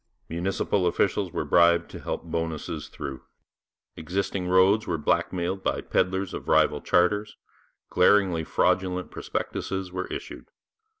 Municipal officials were bribed to help bonuses through. Existing roads were blackmailed by pedlars of rival charters. Glaringly fraudulent prospectuses were issued.